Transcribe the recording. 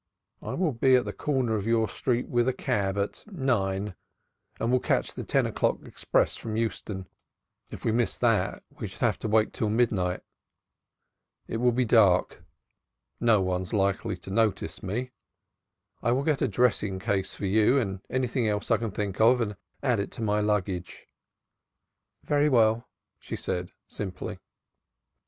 I will be at the corner of your street with a cab at nine, and we'll catch the ten o'clock express from Euston. If we missed that, we should have to wait till midnight. It will be dark; no one is likely to notice me. I will get a dressing case for you and anything else I can think of and add it to my luggage." "Very well," she said simply.